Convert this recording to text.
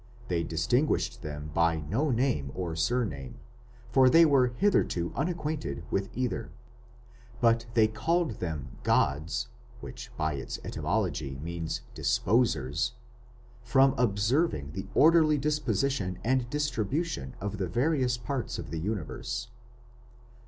They distinguished them by no name or surname, for they were hitherto unacquainted with either; but they called them gods, which by its etymology means disposers, from observing the orderly disposition and distribution of the various parts of the universe."